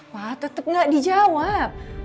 wah tetep gak dijawab